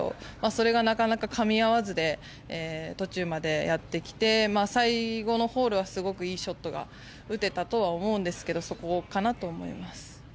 それが、なかなかかみ合わずで途中までやってきて最後のホールはすごくいいショットが打てたとは思うんですけどそこかなと思います。